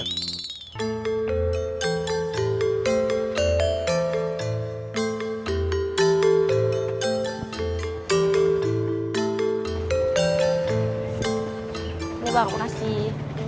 tunggu bang makasih